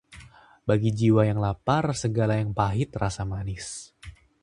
bagi jiwa yang lapar, segala yang pahit terasa manis.